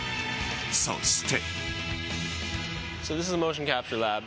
そして。